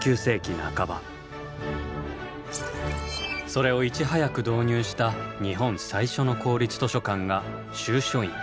それをいち早く導入した日本最初の公立図書館が「集書院」。